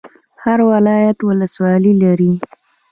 هر ولایت ولسوالۍ لري